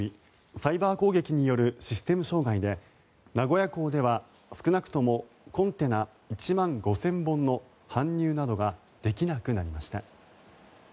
サイバー攻撃によるシステム障害で名古屋港では、少なくともコンテナ１万５０００本の搬入などができなくなりました。